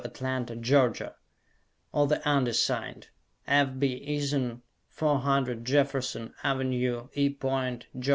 Atlanta, Georgia, or the undersigned. F. B. Eason, 400 Jefferson Avenue, E. Point, Ga.